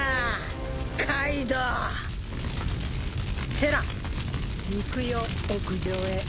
ヘラ行くよ屋上へ。